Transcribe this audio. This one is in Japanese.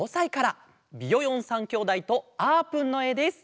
ビヨヨン３きょうだいとあーぷんのえです。